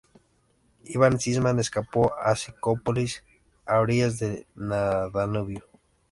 Iván Sisman escapó a Nicópolis, a orillas del Danubio.